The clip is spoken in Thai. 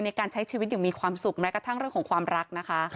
ในการใช้ชีวิตอย่างมีความสุขแม้กระทั่งเรื่องของความรักนะคะ